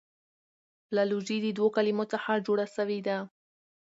فلالوژي د دوو کلمو څخه جوړه سوې ده.